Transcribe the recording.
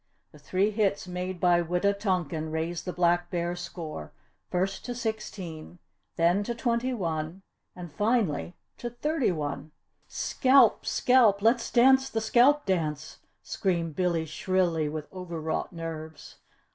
The three hits made by Wita tonkan raised the Black Bear score, first to sixteen, then to twenty one and finally to thirty one. "Scalp! scalp! Let's dance the scalp dance!" screamed Billy shrilly, with overwrought nerves.